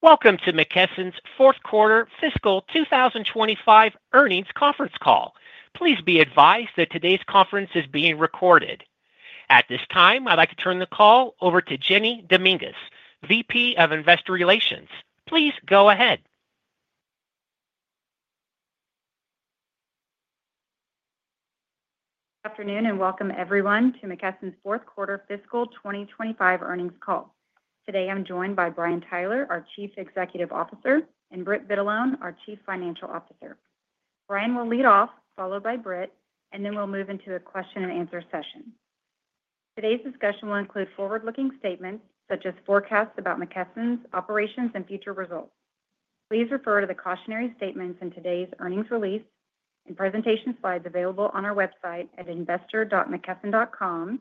Welcome to McKesson's fourth quarter fiscal 2025 earnings conference call. Please be advised that today's conference is being recorded. At this time, I'd like to turn the call over to Jeni Dominguez, VP of Investor Relations. Please go ahead. Good afternoon and welcome everyone to McKesson's fourth quarter fiscal 2025 earnings call. Today I'm joined by Brian Tyler, our Chief Executive Officer, and Britt Vitalone, our Chief Financial Officer. Brian will lead off, followed by Britt, and then we'll move into a question and answer session. Today's discussion will include forward-looking statements such as forecasts about McKesson's operations and future results. Please refer to the cautionary statements in today's earnings release and presentation slides available on our website at investor.mckesson.com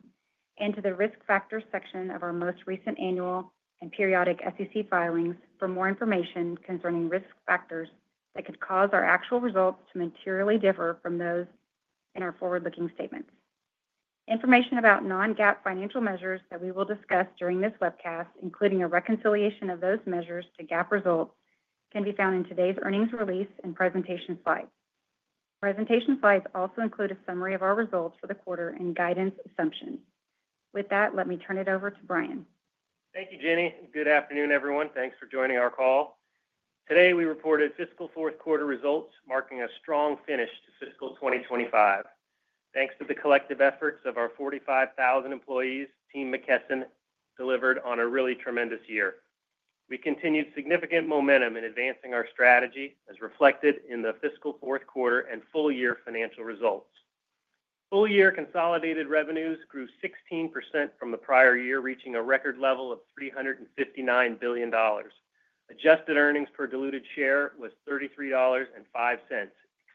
and to the risk factors section of our most recent annual and periodic SEC filings for more information concerning risk factors that could cause our actual results to materially differ from those in our forward-looking statements. Information about non-GAAP financial measures that we will discuss during this webcast, including a reconciliation of those measures to GAAP results, can be found in today's earnings release and presentation slides. Presentation slides also include a summary of our results for the quarter and guidance assumptions. With that, let me turn it over to Brian. Thank you, Jeni. Good afternoon, everyone. Thanks for joining our call. Today we reported fiscal fourth quarter results marking a strong finish to fiscal 2025. Thanks to the collective efforts of our 45,000 employees, Team McKesson delivered on a really tremendous year. We continued significant momentum in advancing our strategy as reflected in the fiscal fourth quarter and full year financial results. Full year consolidated revenues grew 16% from the prior year, reaching a record level of $359 billion. Adjusted Earnings Per Diluted Share was $33.05,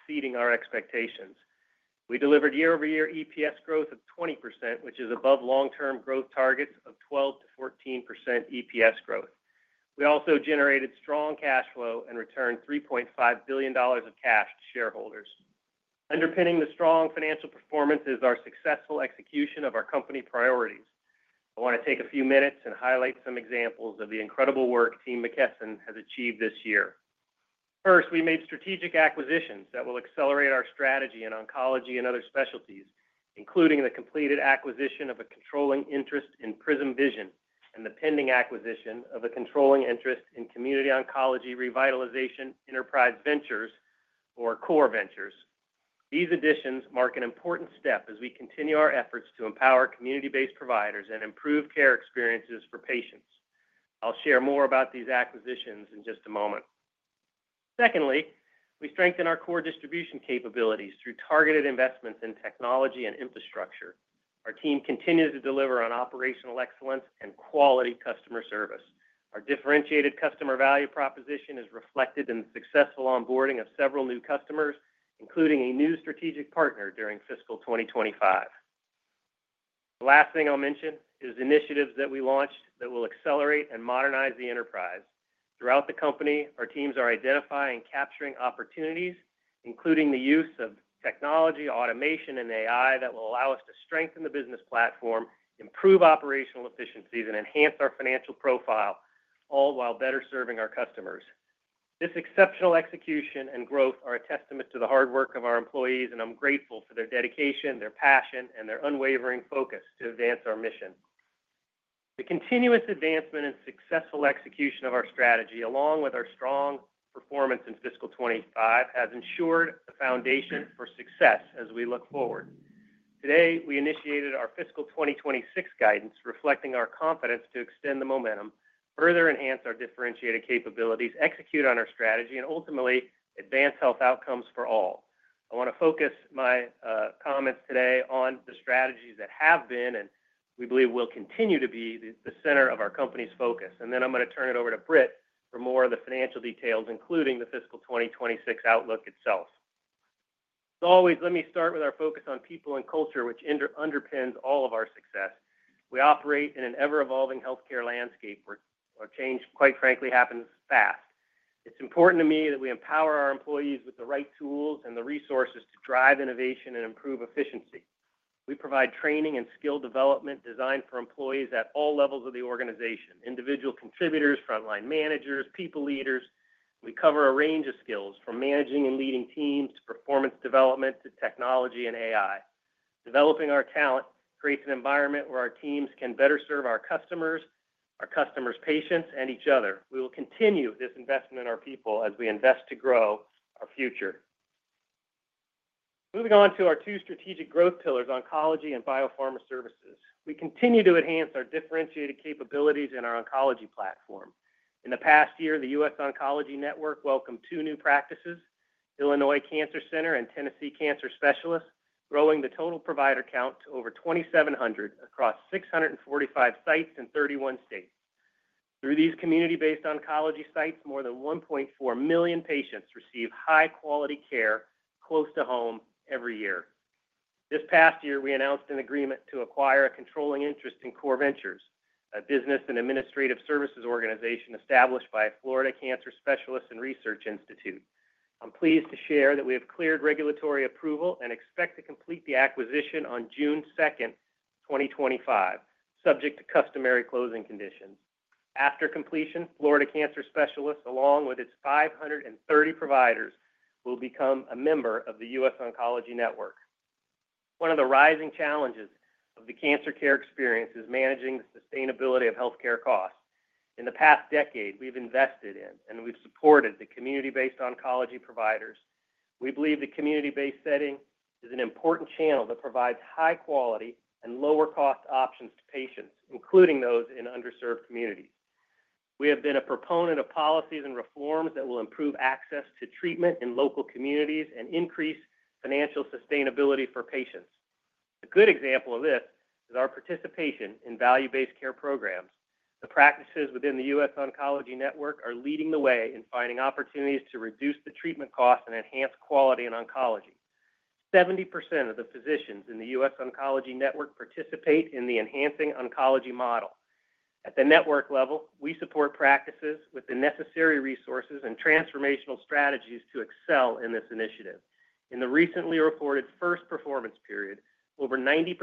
exceeding our expectations. We delivered year-over-year EPS growth of 20%, which is above long-term growth targets of 12%-14% EPS growth. We also generated strong cash flow and returned $3.5 billion of cash to shareholders. Underpinning the strong financial performance is our successful execution of our company priorities. I want to take a few minutes and highlight some examples of the incredible work Team McKesson has achieved this year. First, we made strategic acquisitions that will accelerate our strategy in oncology and other specialties, including the completed acquisition of a controlling interest in Prism Vision and the pending acquisition of a controlling interest in Community Oncology Revitalization Enterprise Ventures, or Core Ventures. These additions mark an important step as we continue our efforts to empower community-based providers and improve care experiences for patients. I'll share more about these acquisitions in just a moment. Secondly, we strengthened our core distribution capabilities through targeted investments in technology and infrastructure. Our team continues to deliver on operational excellence and quality customer service. Our differentiated customer value proposition is reflected in the successful onboarding of several new customers, including a new strategic partner during fiscal 2025. The last thing I'll mention is initiatives that we launched that will accelerate and modernize the enterprise. Throughout the company, our teams are identifying and capturing opportunities, including the use of technology, automation, and AI that will allow us to strengthen the business platform, improve operational efficiencies, and enhance our financial profile, all while better serving our customers. This exceptional execution and growth are a testament to the hard work of our employees, and I'm grateful for their dedication, their passion, and their unwavering focus to advance our mission. The continuous advancement and successful execution of our strategy, along with our strong performance in fiscal 2025, has ensured the foundation for success as we look forward. Today, we initiated our fiscal 2026 guidance, reflecting our confidence to extend the momentum, further enhance our differentiated capabilities, execute on our strategy, and ultimately advance health outcomes for all. I want to focus my comments today on the strategies that have been and we believe will continue to be the center of our company's focus. And then I'm going to turn it over to Britt for more of the financial details, including the fiscal 2026 outlook itself. As always, let me start with our focus on people and culture, which underpins all of our success. We operate in an ever-evolving healthcare landscape where change, quite frankly, happens fast. It's important to me that we empower our employees with the right tools and the resources to drive innovation and improve efficiency. We provide training and skill development designed for employees at all levels of the organization: individual contributors, frontline managers, people leaders. We cover a range of skills from managing and leading teams to performance development to technology and AI. Developing our talent creates an environment where our teams can better serve our customers, our customers' patients, and each other. We will continue this investment in our people as we invest to grow our future. Moving on to our two strategic growth pillars, oncology and biopharma services, we continue to enhance our differentiated capabilities in our oncology platform. In the past year, the U.S. Oncology Network welcomed two new practices: Illinois Cancer Center and Tennessee Cancer Specialists, growing the total provider count to over 2,700 across 645 sites in 31 states. Through these community-based oncology sites, more than 1.4 million patients receive high-quality care close to home every year. This past year, we announced an agreement to acquire a controlling interest in Core Ventures, a business and administrative services organization established by Florida Cancer Specialists and Research Institute. I'm pleased to share that we have cleared regulatory approval and expect to complete the acquisition on June 2nd, 2025, subject to customary closing conditions. After completion, Florida Cancer Specialists, along with its 530 providers, will become a member of the U.S. Oncology Network. One of the rising challenges of the cancer care experience is managing the sustainability of healthcare costs. In the past decade, we've invested in and we've supported the community-based oncology providers. We believe the community-based setting is an important channel that provides high-quality and lower-cost options to patients, including those in underserved communities. We have been a proponent of policies and reforms that will improve access to treatment in local communities and increase financial sustainability for patients. A good example of this is our participation in value-based care programs. The practices within the U.S. Oncology Network are leading the way in finding opportunities to reduce the treatment costs and enhance quality in oncology. 70% of the physicians in the U.S. Oncology Network participate in the Enhancing Oncology Model. At the network level, we support practices with the necessary resources and transformational strategies to excel in this initiative. In the recently reported first performance period, over 90%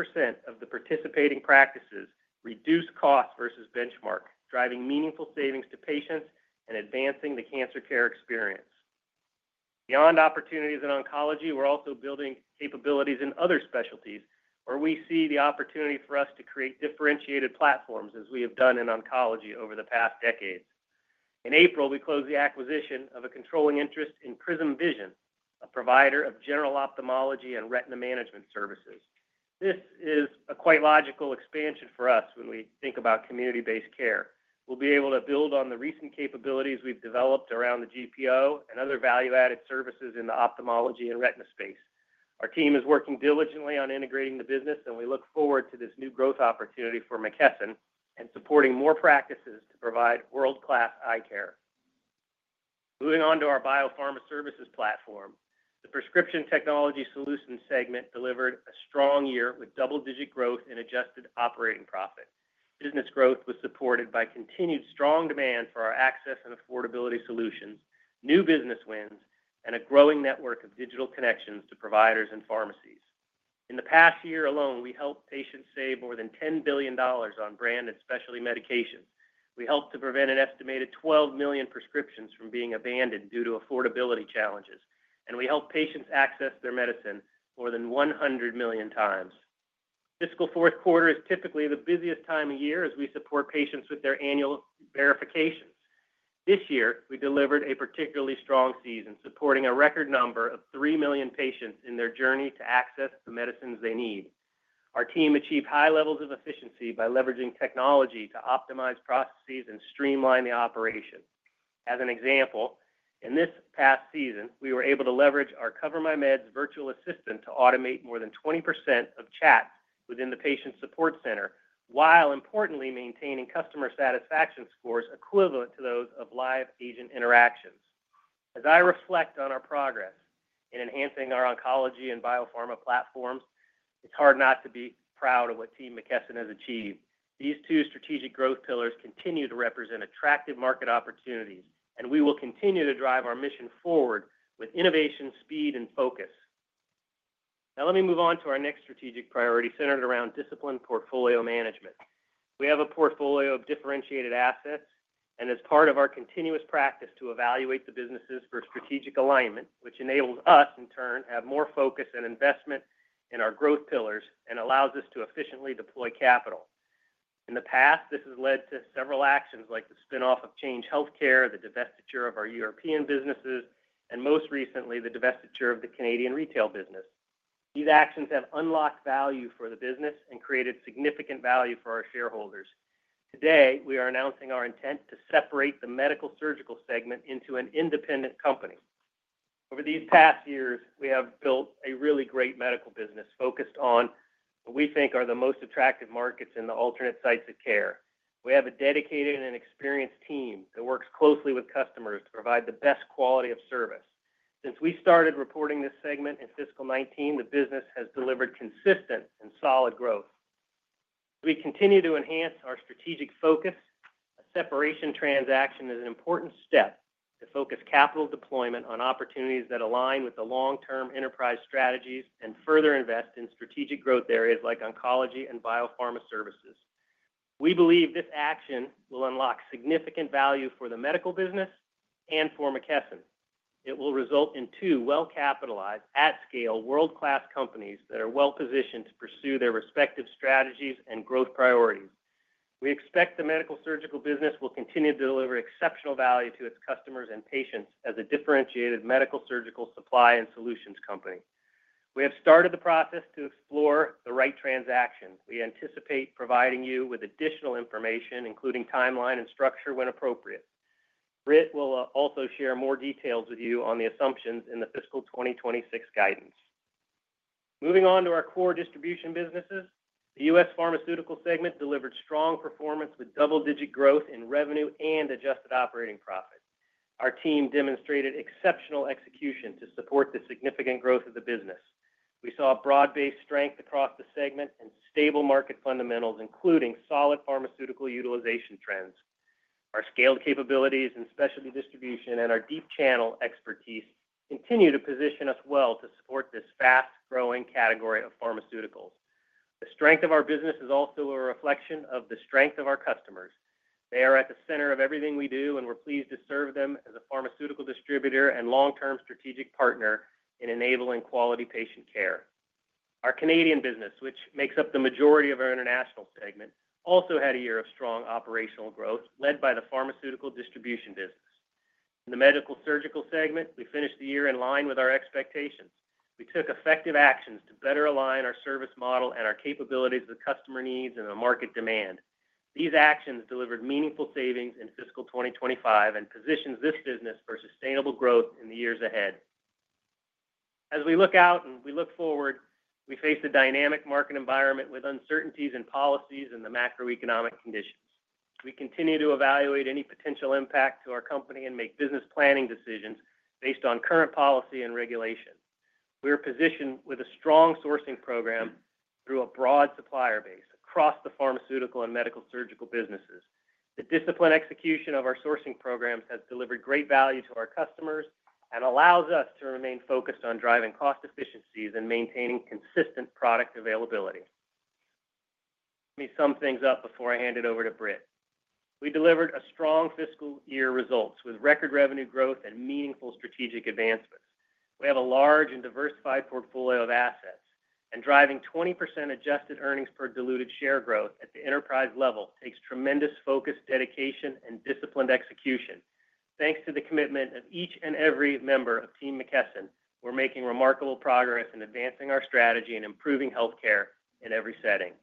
of the participating practices reduced costs versus benchmark, driving meaningful savings to patients and advancing the cancer care experience. Beyond opportunities in oncology, we're also building capabilities in other specialties, where we see the opportunity for us to create differentiated platforms as we have done in oncology over the past decades. In April, we closed the acquisition of a controlling interest in Prism Vision, a provider of general ophthalmology and retina management services. This is a quite logical expansion for us when we think about community-based care. We'll be able to build on the recent capabilities we've developed around the GPO and other value-added services in the ophthalmology and retina space. Our team is working diligently on integrating the business, and we look forward to this new growth opportunity for McKesson and supporting more practices to provide world-class eye care. Moving on to our biopharma services platform, the Prescription Technology Solutions segment delivered a strong year with double-digit growth and adjusted operating profit. Business growth was supported by continued strong demand for our access and affordability solutions, new business wins, and a growing network of digital connections to providers and pharmacies. In the past year alone, we helped patients save more than $10 billion on branded specialty medications. We helped to prevent an estimated 12 million prescriptions from being abandoned due to affordability challenges, and we helped patients access their medicine more than 100 million times. Fiscal fourth quarter is typically the busiest time of year as we support patients with their annual verifications. This year, we delivered a particularly strong season, supporting a record number of three million patients in their journey to access the medicines they need. Our team achieved high levels of efficiency by leveraging technology to optimize processes and streamline the operation. As an example, in this past season, we were able to leverage our CoverMyMeds virtual assistant to automate more than 20% of chats within the patient support center while importantly maintaining customer satisfaction scores equivalent to those of live agent interactions. As I reflect on our progress in enhancing our oncology and biopharma platforms, it's hard not to be proud of what Team McKesson has achieved. These two strategic growth pillars continue to represent attractive market opportunities, and we will continue to drive our mission forward with innovation, speed, and focus. Now, let me move on to our next strategic priority centered around disciplined portfolio management. We have a portfolio of differentiated assets, and as part of our continuous practice to evaluate the businesses for strategic alignment, which enables us, in turn, to have more focus and investment in our growth pillars and allows us to efficiently deploy capital. In the past, this has led to several actions like the spinoff of Change Healthcare, the divestiture of our European businesses, and most recently, the divestiture of the Canadian retail business. These actions have unlocked value for the business and created significant value for our shareholders. Today, we are announcing our intent to separate the Medical-Surgical segment into an independent company. Over these past years, we have built a really great medical business focused on what we think are the most attractive markets in the alternate sites of care. We have a dedicated and experienced team that works closely with customers to provide the best quality of service. Since we started reporting this segment in fiscal 2019, the business has delivered consistent and solid growth. As we continue to enhance our strategic focus, a separation transaction is an important step to focus capital deployment on opportunities that align with the long-term enterprise strategies and further invest in strategic growth areas like oncology and biopharma services. We believe this action will unlock significant value for the medical business and for McKesson. It will result in two well-capitalized, at-scale, world-class companies that are well-positioned to pursue their respective strategies and growth priorities. We expect the medical-surgical business will continue to deliver exceptional value to its customers and patients as a differentiated medical-surgical supply and solutions company. We have started the process to explore the right transaction. We anticipate providing you with additional information, including timeline and structure when appropriate. Britt will also share more details with you on the assumptions in the fiscal 2026 guidance. Moving on to our core distribution businesses, the U.S. Pharmaceutical segment delivered strong performance with double-digit growth in revenue and adjusted operating profit. Our team demonstrated exceptional execution to support the significant growth of the business. We saw broad-based strength across the segment and stable market fundamentals, including solid pharmaceutical utilization trends. Our scaled capabilities in specialty distribution and our deep channel expertise continue to position us well to support this fast-growing category of pharmaceuticals. The strength of our business is also a reflection of the strength of our customers. They are at the center of everything we do, and we're pleased to serve them as a pharmaceutical distributor and long-term strategic partner in enabling quality patient care. Our Canadian business, which makes up the majority of our International segment, also had a year of strong operational growth led by the pharmaceutical distribution business. In the Medical-Surgical segment, we finished the year in line with our expectations. We took effective actions to better align our service model and our capabilities with customer needs and the market demand. These actions delivered meaningful savings in fiscal 2025 and positioned this business for sustainable growth in the years ahead. As we look out and we look forward, we face a dynamic market environment with uncertainties in policies and the macroeconomic conditions. We continue to evaluate any potential impact to our company and make business planning decisions based on current policy and regulation. We are positioned with a strong sourcing program through a broad supplier base across the pharmaceutical and Medical-Surgical businesses. The disciplined execution of our sourcing programs has delivered great value to our customers and allows us to remain focused on driving cost efficiencies and maintaining consistent product availability. Let me sum things up before I hand it over to Britt. We delivered a strong fiscal year results with record revenue growth and meaningful strategic advancements. We have a large and diversified portfolio of assets, and driving 20% Adjusted Earnings Per Diluted Share growth at the enterprise level takes tremendous focus, dedication, and disciplined execution. Thanks to the commitment of each and every member of Team McKesson, we're making remarkable progress in advancing our strategy and improving healthcare in every setting.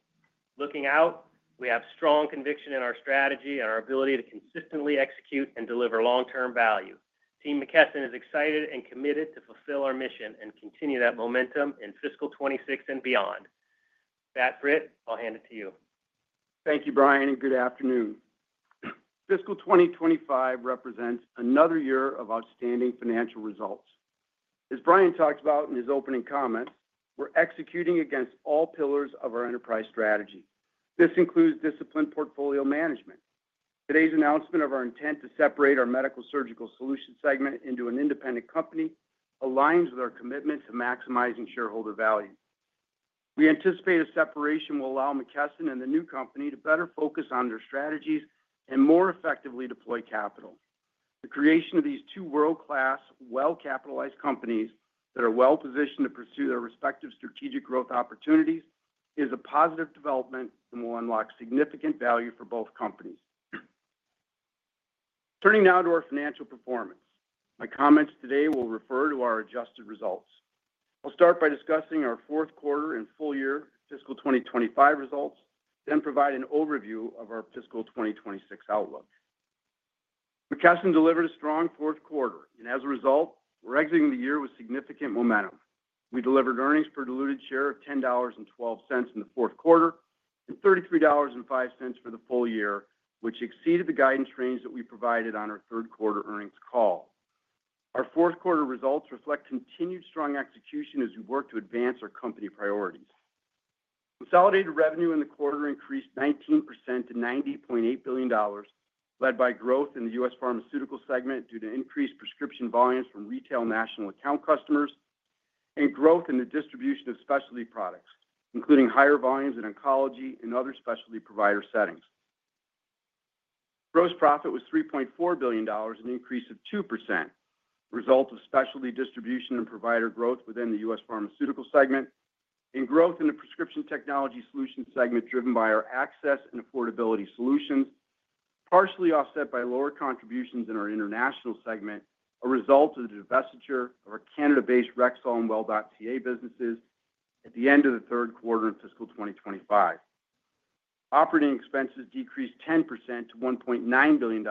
Looking out, we have strong conviction in our strategy and our ability to consistently execute and deliver long-term value. Team McKesson is excited and committed to fulfill our mission and continue that momentum in fiscal 2026 and beyond. That's it. I'll hand it to you. Thank you, Brian, and good afternoon. Fiscal 2025 represents another year of outstanding financial results. As Brian talked about in his opening comments, we're executing against all pillars of our enterprise strategy. This includes disciplined portfolio management. Today's announcement of our intent to separate our Medical-Surgical Solutions segment into an independent company aligns with our commitment to maximizing shareholder value. We anticipate a separation will allow McKesson and the new company to better focus on their strategies and more effectively deploy capital. The creation of these two world-class, well-capitalized companies that are well-positioned to pursue their respective strategic growth opportunities is a positive development and will unlock significant value for both companies. Turning now to our financial performance, my comments today will refer to our adjusted results. I'll start by discussing our fourth quarter and full year, fiscal 2025 results, then provide an overview of our fiscal 2026 outlook. McKesson delivered a strong fourth quarter, and as a result, we're exiting the year with significant momentum. We delivered earnings per diluted share of $10.12 in the fourth quarter and $33.05 for the full year, which exceeded the guidance range that we provided on our third quarter earnings call. Our fourth quarter results reflect continued strong execution as we work to advance our company priorities. Consolidated revenue in the quarter increased 19% to $90.8 billion, led by growth in the U.S. Pharmaceutical segment due to increased prescription volumes from retail national account customers and growth in the distribution of specialty products, including higher volumes in oncology and other specialty provider settings. Gross profit was $3.4 billion, an increase of 2%, a result of specialty distribution and provider growth within the U.S. Pharmaceutical segment and growth in the Prescription Technology Solutions segment driven by our access and affordability solutions, partially offset by lower contributions in our International segment, a result of the divestiture of our Canada-based Rexall and Well.ca businesses at the end of the third quarter of fiscal 2025. Operating expenses decreased 10% to $1.9 billion,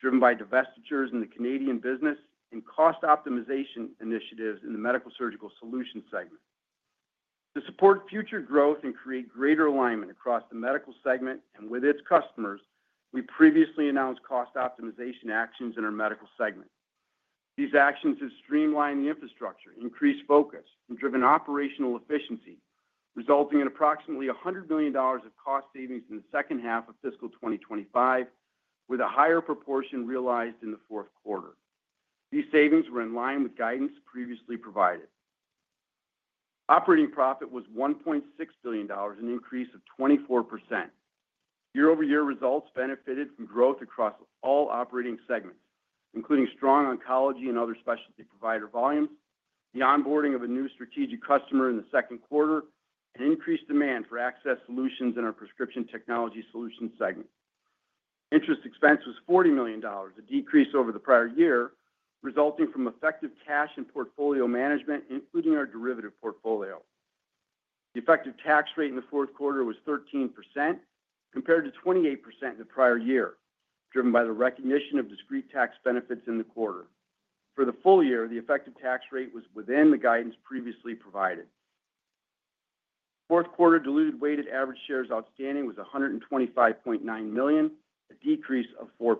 driven by divestitures in the Canadian business and cost optimization initiatives in the Medical-Surgical Solutions segment. To support future growth and create greater alignment across the medical segment and with its customers, we previously announced cost optimization actions in our medical segment. These actions have streamlined the infrastructure, increased focus, and driven operational efficiency, resulting in approximately $100 million of cost savings in the second half of fiscal 2025, with a higher proportion realized in the fourth quarter. These savings were in line with guidance previously provided. Operating profit was $1.6 billion, an increase of 24%. Year-over-year results benefited from growth across all operating segments, including strong oncology and other specialty provider volumes, the onboarding of a new strategic customer in the second quarter, and increased demand for access solutions in our Prescription Technology Solutions segment. Interest expense was $40 million, a decrease over the prior year, resulting from effective cash and portfolio management, including our derivative portfolio. The effective tax rate in the fourth quarter was 13%, compared to 28% in the prior year, driven by the recognition of discrete tax benefits in the quarter. For the full year, the effective tax rate was within the guidance previously provided. Fourth quarter diluted weighted average shares outstanding was 125.9 million, a decrease of 4%.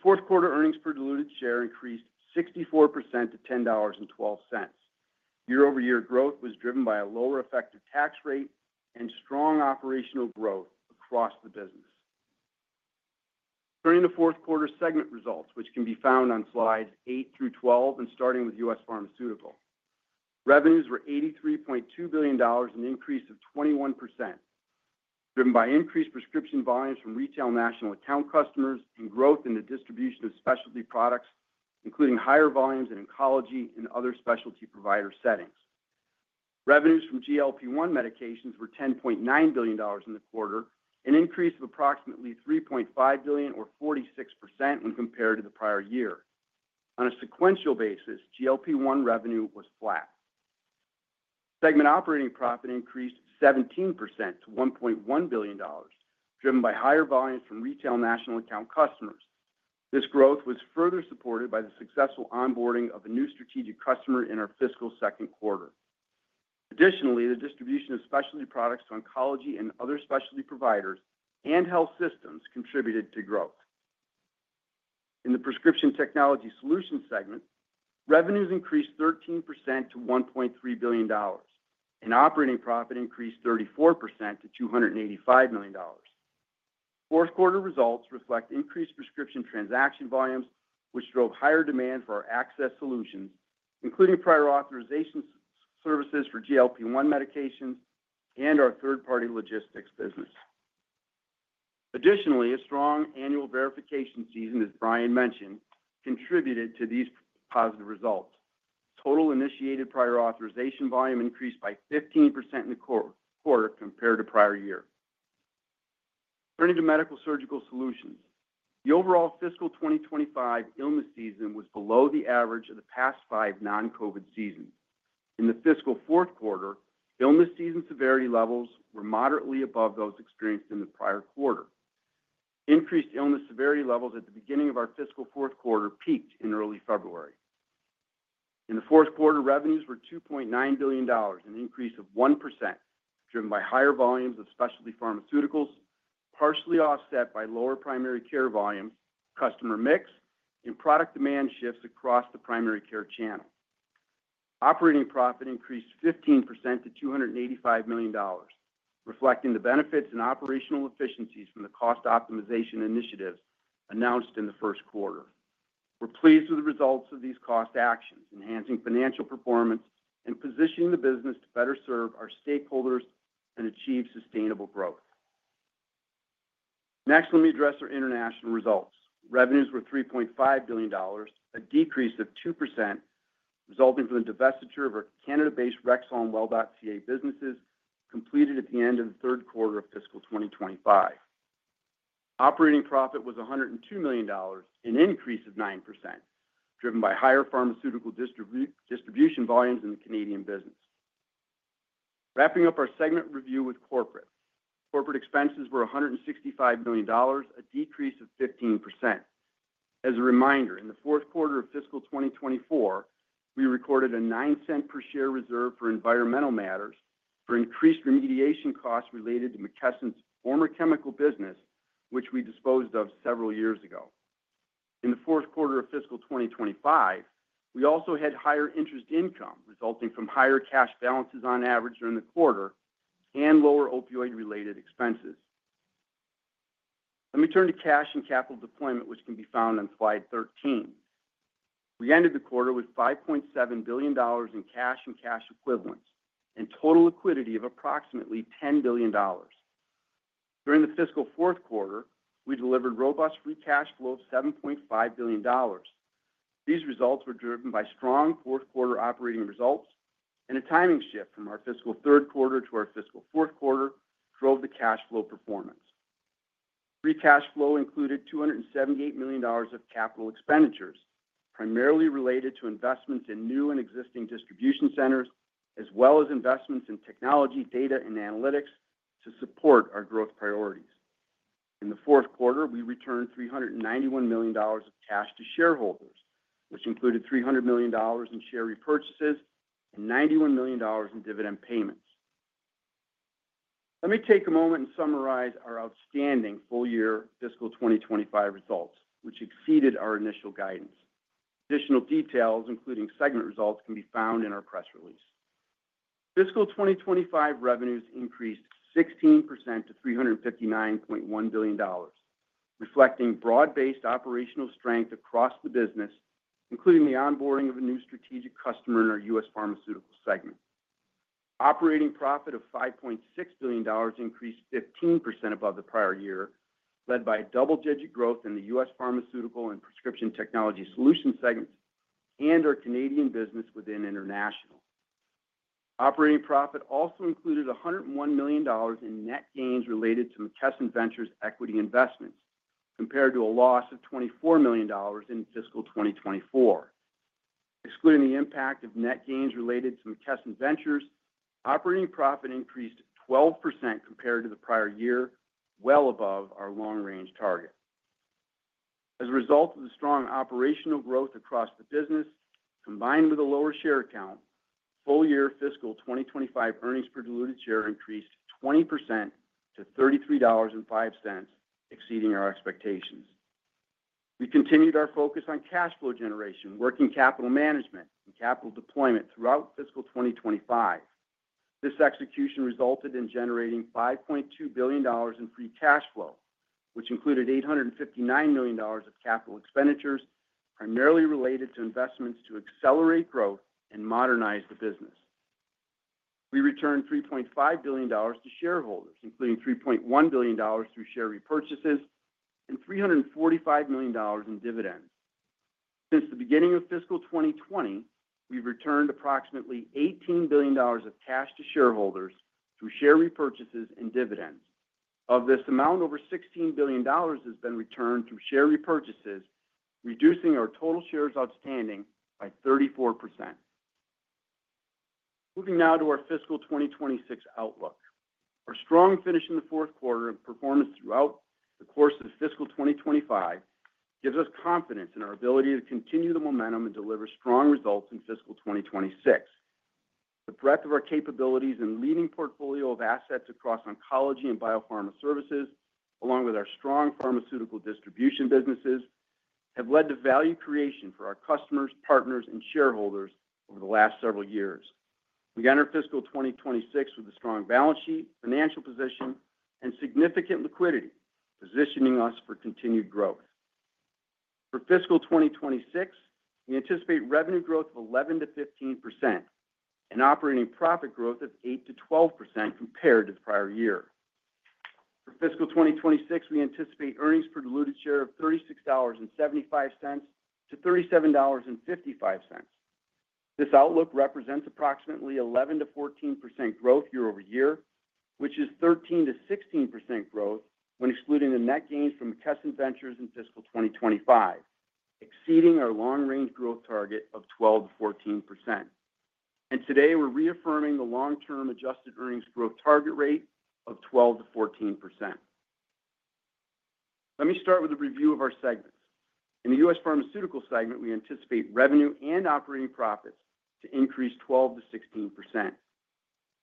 Fourth quarter earnings per diluted share increased 64% to $10.12. Year-over-year growth was driven by a lower effective tax rate and strong operational growth across the business. During the fourth quarter segment results, which can be found on slides 8 through 12 and starting with U.S. Pharmaceutical revenues were $83.2 billion, an increase of 21%, driven by increased prescription volumes from retail national account customers and growth in the distribution of specialty products, including higher volumes in oncology and other specialty provider settings. Revenues from GLP-1 medications were $10.9 billion in the quarter, an increase of approximately $3.5 billion, or 46%, when compared to the prior year. On a sequential basis, GLP-1 revenue was flat. Segment operating profit increased 17% to $1.1 billion, driven by higher volumes from retail national account customers. This growth was further supported by the successful onboarding of a new strategic customer in our fiscal second quarter. Additionally, the distribution of specialty products to oncology and other specialty providers and health systems contributed to growth. In the Prescription Technology Solutions segment, revenues increased 13% to $1.3 billion, and operating profit increased 34% to $285 million. Fourth quarter results reflect increased prescription transaction volumes, which drove higher demand for our access solutions, including prior authorization services for GLP-1 medications and our third-party logistics business. Additionally, a strong annual verification season, as Brian mentioned, contributed to these positive results. Total initiated prior authorization volume increased by 15% in the quarter compared to prior year. Turning to Medical-Surgical Solutions, the overall fiscal 2025 illness season was below the average of the past five non-COVID seasons. In the fiscal fourth quarter, illness season severity levels were moderately above those experienced in the prior quarter. Increased illness severity levels at the beginning of our fiscal fourth quarter peaked in early February. In the fourth quarter, revenues were $2.9 billion, an increase of 1%, driven by higher volumes of specialty pharmaceuticals, partially offset by lower primary care volumes, customer mix, and product demand shifts across the primary care channel. Operating profit increased 15% to $285 million, reflecting the benefits and operational efficiencies from the cost optimization initiatives announced in the first quarter. We're pleased with the results of these cost actions, enhancing financial performance and positioning the business to better serve our stakeholders and achieve sustainable growth. Next, let me address our International results. Revenues were $3.5 billion, a decrease of 2%, resulting from the divestiture of our Canada-based Rexall and Well.ca businesses completed at the end of the third quarter of fiscal 2025. Operating profit was $102 million, an increase of 9%, driven by higher pharmaceutical distribution volumes in the Canadian business. Wrapping up our segment review with Corporate, Corporate expenses were $165 million, a decrease of 15%. As a reminder, in the fourth quarter of fiscal 2024, we recorded a 9% per share reserve for environmental matters for increased remediation costs related to McKesson's former chemical business, which we disposed of several years ago. In the fourth quarter of fiscal 2025, we also had higher interest income resulting from higher cash balances on average during the quarter and lower opioid-related expenses. Let me turn to cash and capital deployment, which can be found on slide 13. We ended the quarter with $5.7 billion in cash and cash equivalents and total liquidity of approximately $10 billion. During the fiscal fourth quarter, we delivered robust free cash flow of $7.5 billion. These results were driven by strong fourth quarter operating results, and a timing shift from our fiscal third quarter to our fiscal fourth quarter drove the cash flow performance. Free cash flow included $278 million of capital expenditures, primarily related to investments in new and existing distribution centers, as well as investments in technology, data, and analytics to support our growth priorities. In the fourth quarter, we returned $391 million of cash to shareholders, which included $300 million in share repurchases and $91 million in dividend payments. Let me take a moment and summarize our outstanding full year fiscal 2025 results, which exceeded our initial guidance. Additional details, including segment results, can be found in our press release. Fiscal 2025 revenues increased 16% to $359.1 billion, reflecting broad-based operational strength across the business, including the onboarding of a new strategic customer in our U.S. Pharmaceutical segment. Operating profit of $5.6 billion increased 15% above the prior year, led by double-digit growth in the U.S. Pharmaceutical and Prescription Technology Solutions segments and our Canadian business within International. Operating profit also included $101 million in net gains related to McKesson Ventures' equity investments, compared to a loss of $24 million in fiscal 2024. Excluding the impact of net gains related to McKesson Ventures, operating profit increased 12% compared to the prior year, well above our long-range target. As a result of the strong operational growth across the business, combined with a lower share account, full year fiscal 2025 earnings per diluted share increased 20% to $33.05, exceeding our expectations. We continued our focus on cash flow generation, working capital management, and capital deployment throughout fiscal 2025. This execution resulted in generating $5.2 billion in free cash flow, which included $859 million of capital expenditures, primarily related to investments to accelerate growth and modernize the business. We returned $3.5 billion to shareholders, including $3.1 billion through share repurchases and $345 million in dividends. Since the beginning of fiscal 2020, we've returned approximately $18 billion of cash to shareholders through share repurchases and dividends. Of this amount, over $16 billion has been returned through share repurchases, reducing our total shares outstanding by 34%. Moving now to our fiscal 2026 outlook. Our strong finish in the fourth quarter and performance throughout the course of fiscal 2025 gives us confidence in our ability to continue the momentum and deliver strong results in fiscal 2026. The breadth of our capabilities and leading portfolio of assets across oncology and biopharma services, along with our strong pharmaceutical distribution businesses, have led to value creation for our customers, partners, and shareholders over the last several years. We enter fiscal 2026 with a strong balance sheet, financial position, and significant liquidity, positioning us for continued growth. For fiscal 2026, we anticipate revenue growth of 11%-15% and operating profit growth of 8%-12% compared to the prior year. For fiscal 2026, we anticipate earnings per diluted share of $36.75-$37.55. This outlook represents approximately 11%-14% growth year over year, which is 13%-16% growth when excluding the net gains from McKesson Ventures in fiscal 2025, exceeding our long-range growth target of 12%-14%. And today, we're reaffirming the long-term adjusted earnings growth target rate of 12%-14%. Let me start with a review of our segments. In the U.S. Pharmaceutical segment, we anticipate revenue and operating profits to increase 12%-16%.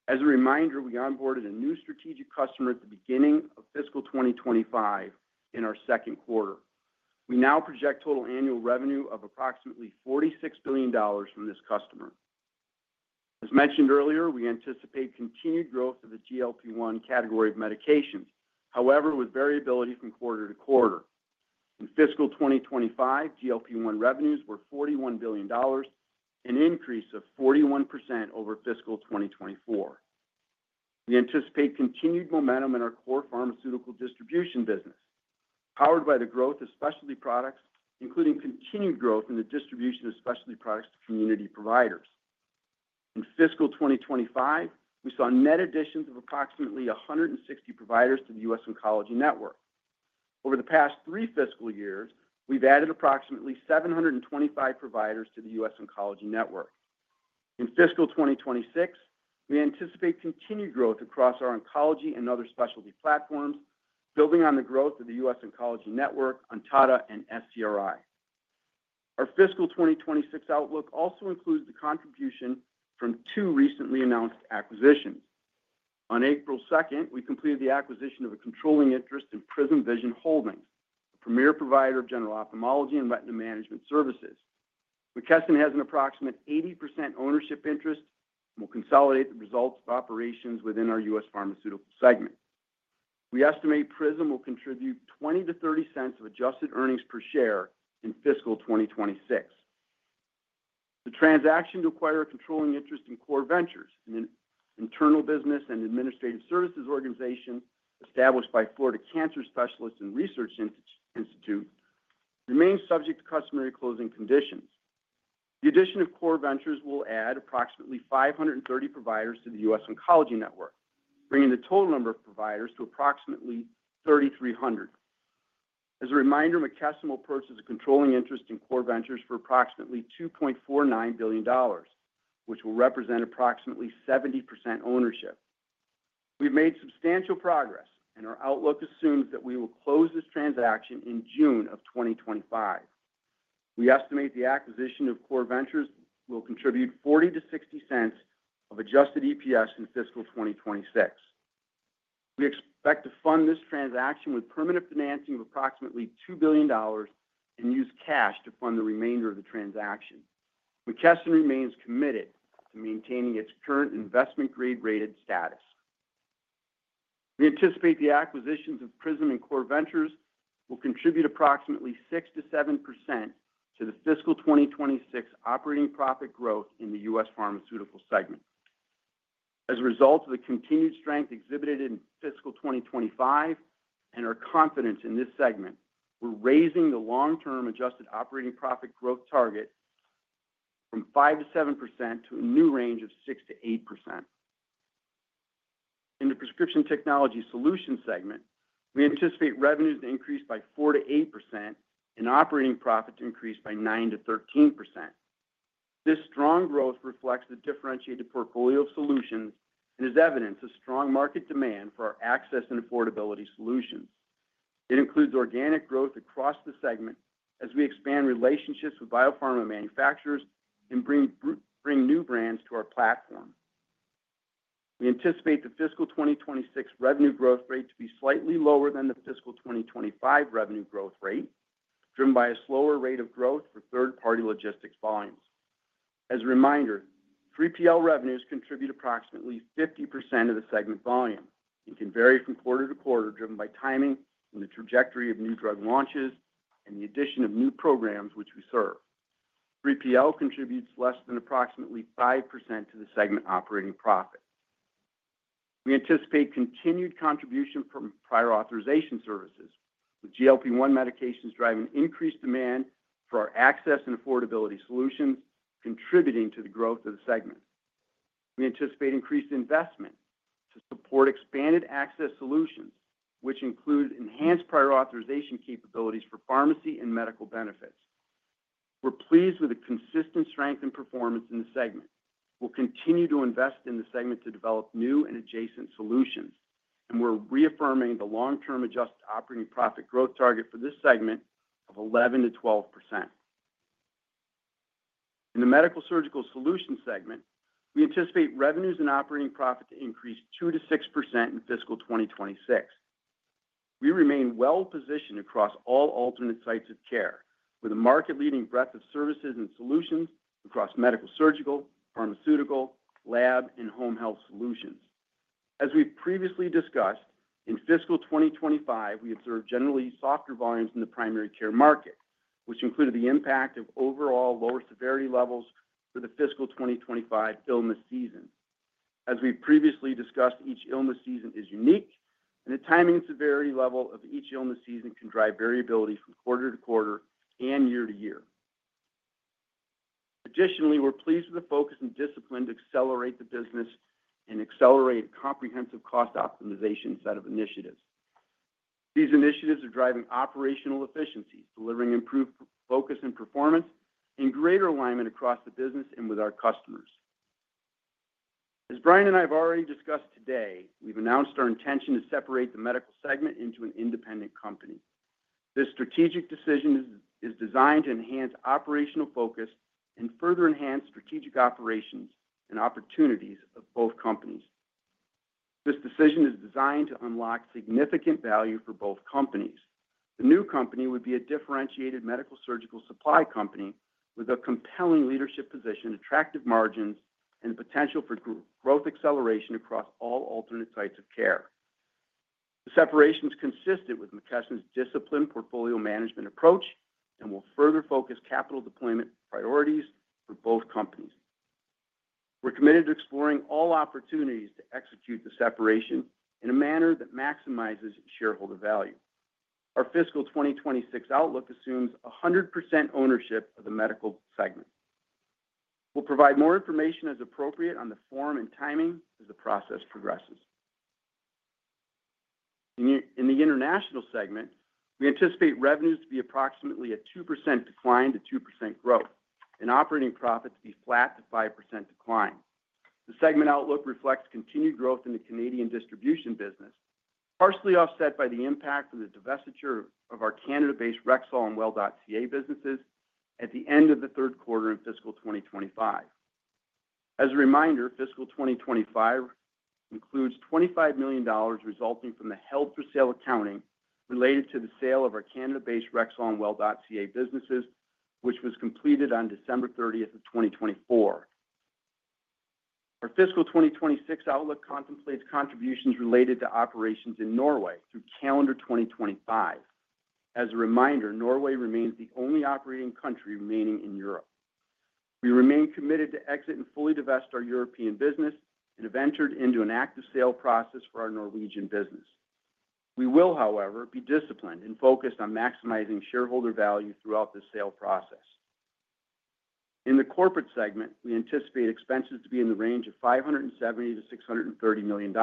As a reminder, we onboarded a new strategic customer at the beginning of fiscal 2025 in our second quarter. We now project total annual revenue of approximately $46 billion from this customer. As mentioned earlier, we anticipate continued growth of the GLP-1 category of medications, however, with variability from quarter to quarter. In fiscal 2025, GLP-1 revenues were $41 billion, an increase of 41% over fiscal 2024. We anticipate continued momentum in our core pharmaceutical distribution business, powered by the growth of specialty products, including continued growth in the distribution of specialty products to community providers. In fiscal 2025, we saw net additions of approximately 160 providers to the U.S. Oncology Network. Over the past three fiscal years, we've added approximately 725 providers to the U.S. Oncology Network. In fiscal 2026, we anticipate continued growth across our oncology and other specialty platforms, building on the growth of the U.S. Oncology Network, Ontada, and SCRI. Our fiscal 2026 outlook also includes the contribution from two recently announced acquisitions. On April 2nd, we completed the acquisition of a controlling interest in Prism Vision Holdings, a premier provider of general ophthalmology and retina management services. McKesson has an approximate 80% ownership interest and will consolidate the results of operations within our U.S. Pharmaceutical segment. We estimate Prism will contribute 20%-30% of adjusted earnings per share in fiscal 2026. The transaction to acquire a controlling interest in Core Ventures, an internal business and administrative services organization established by Florida Cancer Specialists and Research Institute, remains subject to customary closing conditions. The addition of Core Ventures will add approximately 530 providers to the U.S. Oncology Network, bringing the total number of providers to approximately 3,300. As a reminder, McKesson will purchase a controlling interest in Core Ventures for approximately $2.49 billion, which will represent approximately 70% ownership. We've made substantial progress, and our outlook assumes that we will close this transaction in June of 2025. We estimate the acquisition of Core Ventures will contribute 40%-60% of adjusted EPS in fiscal 2026. We expect to fund this transaction with permanent financing of approximately $2 billion and use cash to fund the remainder of the transaction. McKesson remains committed to maintaining its current investment-grade rated status. We anticipate the acquisitions of Prism and Core Ventures will contribute approximately 6%-7% to the fiscal 2026 operating profit growth in the U.S. Pharmaceutical segment. As a result of the continued strength exhibited in fiscal 2025 and our confidence in this segment, we're raising the long-term adjusted operating profit growth target from 5%-7% to a new range of 6%-8%. In the Prescription Technology Solutions segment, we anticipate revenues to increase by 4%-8% and operating profit to increase by 9%-13%. This strong growth reflects the differentiated portfolio of solutions and is evidence of strong market demand for our access and affordability solutions. It includes organic growth across the segment as we expand relationships with biopharma manufacturers and bring new brands to our platform. We anticipate the fiscal 2026 revenue growth rate to be slightly lower than the fiscal 2025 revenue growth rate, driven by a slower rate of growth for third-party logistics volumes. As a reminder, 3PL revenues contribute approximately 50% of the segment volume and can vary from quarter to quarter, driven by timing and the trajectory of new drug launches and the addition of new programs which we serve. 3PL contributes less than approximately 5% to the segment operating profit. We anticipate continued contribution from prior authorization services, with GLP-1 medications driving increased demand for our access and affordability solutions, contributing to the growth of the segment. We anticipate increased investment to support expanded access solutions, which include enhanced prior authorization capabilities for pharmacy and medical benefits. We're pleased with the consistent strength and performance in the segment. We'll continue to invest in the segment to develop new and adjacent solutions, and we're reaffirming the long-term adjusted operating profit growth target for this segment of 11%-12%. In the Medical-Surgical Solutions segment, we anticipate revenues and operating profit to increase 2%-6% in fiscal 2026. We remain well-positioned across all alternate sites of care, with a market-leading breadth of services and solutions across medical-surgical, pharmaceutical, lab, and home health solutions. As we've previously discussed, in fiscal 2025, we observed generally softer volumes in the primary care market, which included the impact of overall lower severity levels for the fiscal 2025 illness season. As we've previously discussed, each illness season is unique, and the timing and severity level of each illness season can drive variability from quarter to quarter and year to year. Additionally, we're pleased with the focus and discipline to accelerate the business and accelerate a comprehensive cost optimization set of initiatives. These initiatives are driving operational efficiencies, delivering improved focus and performance, and greater alignment across the business and with our customers. As Brian and I have already discussed today, we've announced our intention to separate the medical segment into an independent company. This strategic decision is designed to enhance operational focus and further enhance strategic operations and opportunities of both companies. This decision is designed to unlock significant value for both companies. The new company would be a differentiated medical-surgical supply company with a compelling leadership position, attractive margins, and the potential for growth acceleration across all alternate sites of care. The separation is consistent with McKesson's disciplined portfolio management approach and will further focus capital deployment priorities for both companies. We're committed to exploring all opportunities to execute the separation in a manner that maximizes shareholder value. Our fiscal 2026 outlook assumes 100% ownership of the medical segment. We'll provide more information as appropriate on the form and timing as the process progresses. In the International segment, we anticipate revenues to be approximately a 2% decline to 2% growth and operating profit to be flat to 5% decline. The segment outlook reflects continued growth in the Canadian distribution business, partially offset by the impact of the divestiture of our Canada-based Rexall and Well.ca businesses at the end of the third quarter in fiscal 2025. As a reminder, fiscal 2025 includes $25 million resulting from the held-for-sale accounting related to the sale of our Canada-based Rexall and Well.ca businesses, which was completed on December 30th of 2024. Our fiscal 2026 outlook contemplates contributions related to operations in Norway through calendar 2025. As a reminder, Norway remains the only operating country remaining in Europe. We remain committed to exit and fully divest our European business and have entered into an active sale process for our Norwegian business. We will, however, be disciplined and focused on maximizing shareholder value throughout the sale process. In the Corporate segment, we anticipate expenses to be in the range of $570 million-$630 million.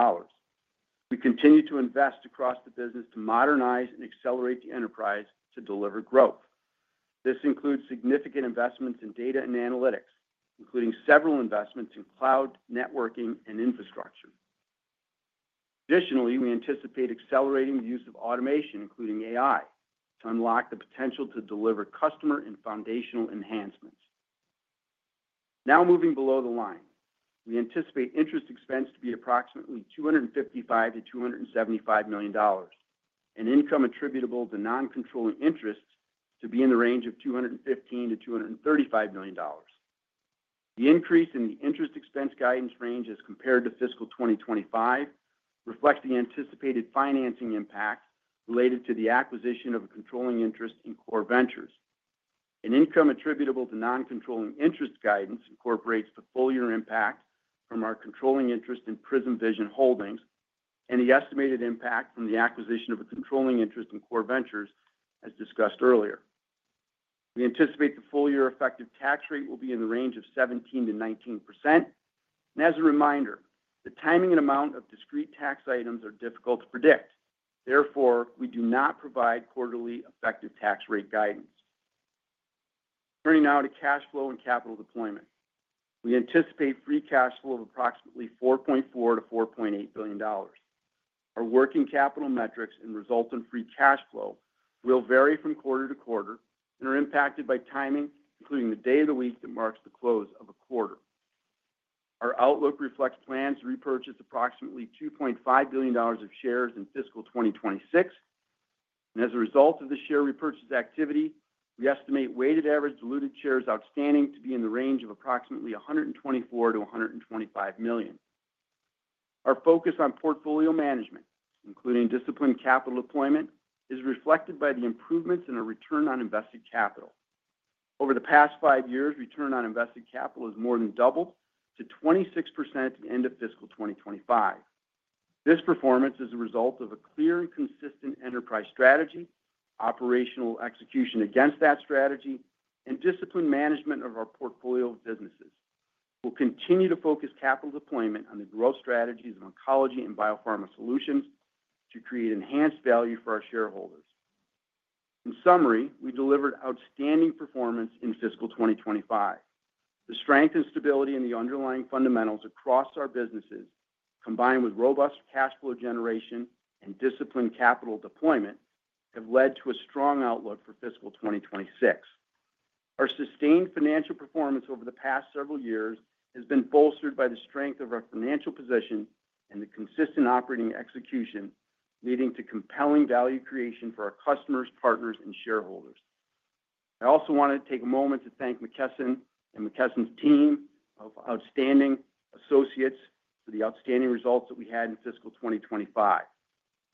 We continue to invest across the business to modernize and accelerate the enterprise to deliver growth. This includes significant investments in data and analytics, including several investments in cloud, networking, and infrastructure. Additionally, we anticipate accelerating the use of automation, including AI, to unlock the potential to deliver customer and foundational enhancements. Now moving below the line, we anticipate interest expense to be approximately $255 million-$275 million and income attributable to non-controlling interests to be in the range of $215 million-$235 million. The increase in the interest expense guidance range as compared to fiscal 2025 reflects the anticipated financing impact related to the acquisition of a controlling interest in Core Ventures. Income attributable to non-controlling interest guidance incorporates the full-year impact from our controlling interest in Prism Vision Holdings and the estimated impact from the acquisition of a controlling interest in Core Ventures, as discussed earlier. We anticipate the full-year effective tax rate will be in the range of 17%-19%. As a reminder, the timing and amount of discrete tax items are difficult to predict. Therefore, we do not provide quarterly effective tax rate guidance. Turning now to cash flow and capital deployment, we anticipate free cash flow of approximately $4.4 billion-$4.8 billion. Our working capital metrics and resultant free cash flow will vary from quarter to quarter and are impacted by timing, including the day of the week that marks the close of a quarter. Our outlook reflects plans to repurchase approximately $2.5 billion of shares in fiscal 2026. As a result of the share repurchase activity, we estimate weighted average diluted shares outstanding to be in the range of approximately 124 million-125 million. Our focus on portfolio management, including disciplined capital deployment, is reflected by the improvements in our return on invested capital. Over the past five years, return on invested capital has more than doubled to 26% at the end of fiscal 2025. This performance is a result of a clear and consistent enterprise strategy, operational execution against that strategy, and disciplined management of our portfolio of businesses. We'll continue to focus capital deployment on the growth strategies of oncology and biopharma solutions to create enhanced value for our shareholders. In summary, we delivered outstanding performance in fiscal 2025. The strength and stability in the underlying fundamentals across our businesses, combined with robust cash flow generation and disciplined capital deployment, have led to a strong outlook for fiscal 2026. Our sustained financial performance over the past several years has been bolstered by the strength of our financial position and the consistent operating execution, leading to compelling value creation for our customers, partners, and shareholders. I also wanted to take a moment to thank McKesson and McKesson's team of outstanding associates for the outstanding results that we had in fiscal 2025.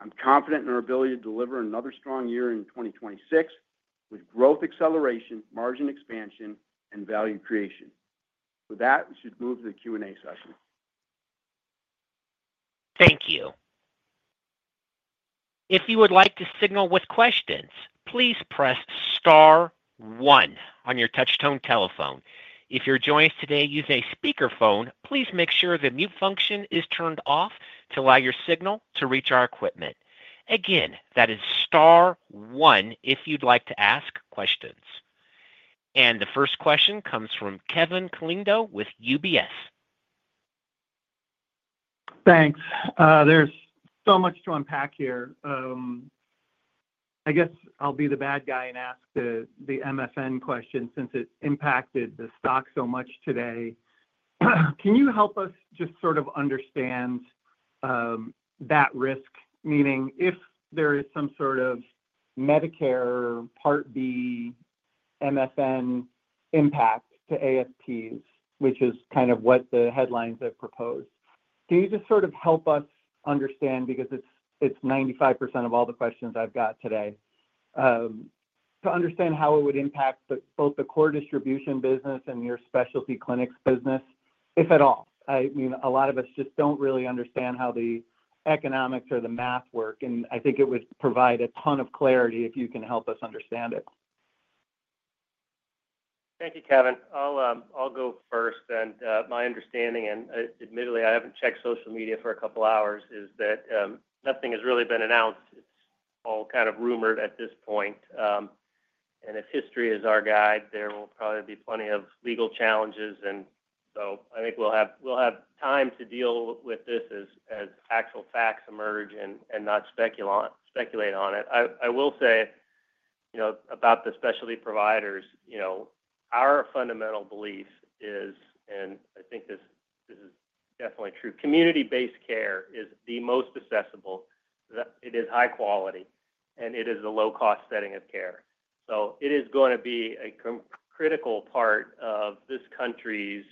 I'm confident in our ability to deliver another strong year in 2026 with growth acceleration, margin expansion, and value creation. With that, we should move to the Q&A session. Thank you. If you would like to signal with questions, please press Star 1 on your touch-tone telephone. If you're joining us today using a speakerphone, please make sure the mute function is turned off to allow your signal to reach our equipment. Again, that is Star 1 if you'd like to ask questions. The first question comes from Kevin Caliendo with UBS. Thanks. There's so much to unpack here. I guess I'll be the bad guy and ask the MFN question since it impacted the stock so much today. Can you help us just sort of understand that risk, meaning if there is some sort of Medicare Part B MFN impact to ASPs, which is kind of what the headlines have proposed? Can you just sort of help us understand, because it's 95% of all the questions I've got today, to understand how it would impact both the core distribution business and your specialty clinics business, if at all? I mean, a lot of us just don't really understand how the economics or the math work, and I think it would provide a ton of clarity if you can help us understand it. Thank you, Kevin. I'll go first, and my understanding, and admittedly, I haven't checked social media for a couple of hours, is that nothing has really been announced. It's all kind of rumored at this point, and if history is our guide, there will probably be plenty of legal challenges. And so I think we'll have time to deal with this as actual facts emerge and not speculate on it. I will say about the specialty providers, our fundamental belief is, and I think this is definitely true, community-based care is the most accessible. It is high quality, and it is the low-cost setting of care. So it is going to be a critical part of this country's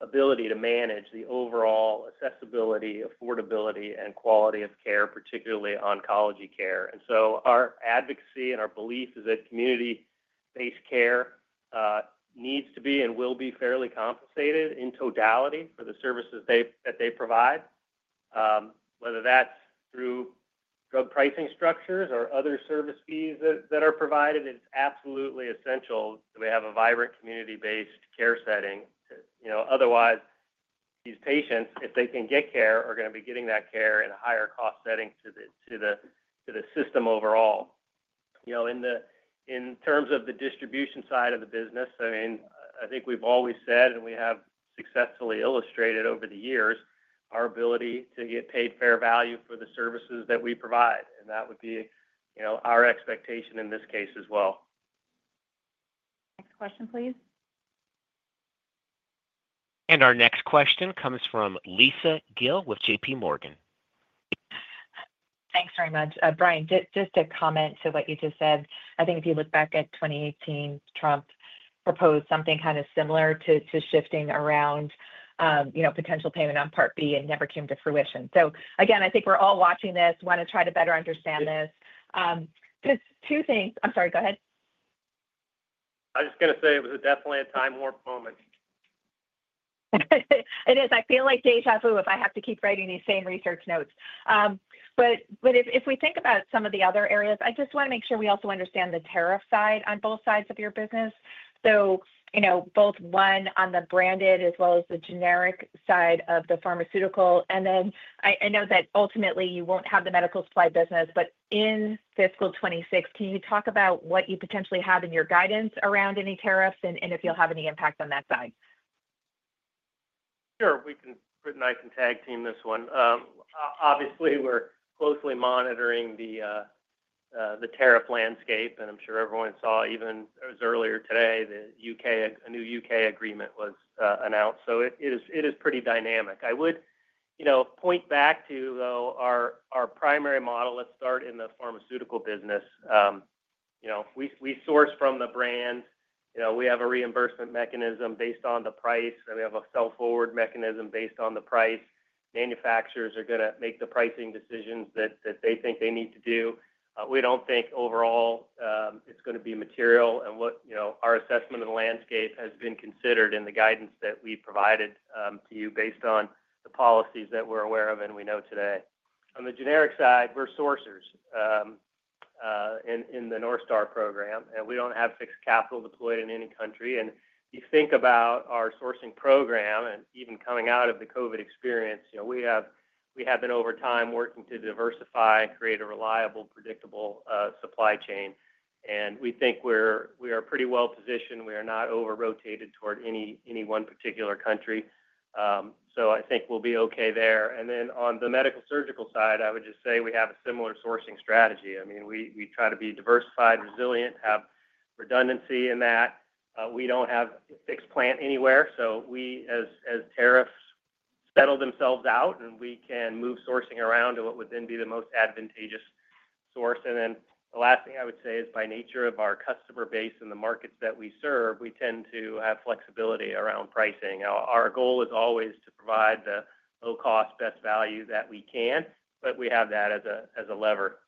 ability to manage the overall accessibility, affordability, and quality of care, particularly oncology care. And so our advocacy and our belief is that community-based care needs to be and will be fairly compensated in totality for the services that they provide. Whether that's through drug pricing structures or other service fees that are provided, it's absolutely essential that we have a vibrant community-based care setting. Otherwise, these patients, if they can get care, are going to be getting that care in a higher-cost setting to the system overall. In terms of the distribution side of the business, I mean, I think we've always said, and we have successfully illustrated over the years, our ability to get paid fair value for the services that we provide. And that would be our expectation in this case as well. Next question, please. Our next question comes from Lisa Gill with J.P. Morgan. Thanks very much. Brian, just a comment to what you just said. I think if you look back at 2018, Trump proposed something kind of similar to shifting around potential payment on Part B and never came to fruition. So again, I think we're all watching this, want to try to better understand this. Just two things. I'm sorry, go ahead. I was going to say it was definitely a time-warp moment. It is. I feel like déjà vu if I have to keep writing these same research notes. But if we think about some of the other areas, I just want to make sure we also understand the tariff side on both sides of your business. So both one on the branded as well as the generic side of the pharmaceutical. And then I know that ultimately you won't have the medical supply business, but in fiscal 2016, can you talk about what you potentially have in your guidance around any tariffs and if you'll have any impact on that side? Sure. We can tag team this one. Obviously, we're closely monitoring the tariff landscape, and I'm sure everyone saw even earlier today that a new U.K. agreement was announced. So it is pretty dynamic. I would point back to our primary model. Let's start in the pharmaceutical business. We source from the brand. We have a reimbursement mechanism based on the price, and we have a sell-forward mechanism based on the price. Manufacturers are going to make the pricing decisions that they think they need to do. We don't think overall it's going to be material. Our assessment of the landscape has been considered in the guidance that we provided to you based on the policies that we're aware of and we know today. On the generic side, we're sourcers in the NorthStar program, and we don't have fixed capital deployed in any country. You think about our sourcing program and even coming out of the COVID experience, we have been over time working to diversify and create a reliable, predictable supply chain. We think we are pretty well positioned. We are not over-rotated toward any one particular country. I think we'll be okay there. Then on the Medical-Surgical side, I would just say we have a similar sourcing strategy. I mean, we try to be diversified, resilient, have redundancy in that. We don't have a fixed plant anywhere. As tariffs settle themselves out, we can move sourcing around to what would then be the most advantageous source. And then the last thing I would say is by nature of our customer base and the markets that we serve, we tend to have flexibility around pricing. Our goal is always to provide the low-cost best value that we can, but we have that as a lever.